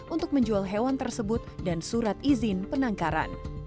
untuk menjual hewan tersebut dan surat izin penangkaran